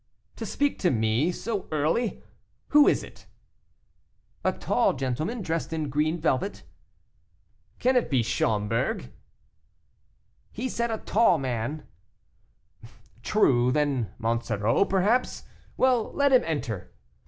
"To speak to me so early; who is it?" "A tall gentleman, dressed in green velvet." "Can it be Schomberg?" "He said a tall man." "True, then Monsoreau, perhaps; well, let him enter."